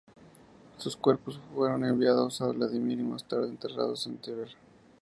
Sus cuerpos fueron enviados a Vladímir y más tarde, enterrados en Tver.